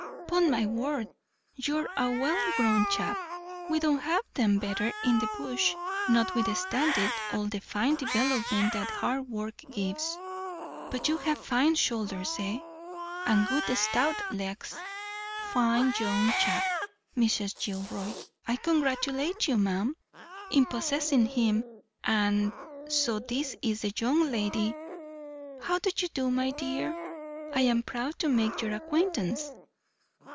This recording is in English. "'Pon my word, you're a well grown chap. We don't have 'em better in the Bush, notwithstanding all the fine development that hard work gives. But you have fine shoulders—eh, and good stout legs. Fine young chap, Mrs. Gilroy; I congratulate you, ma'am, in possessing him. And so this is the young lady. How do you do, my dear? I am proud to make your acquaintance."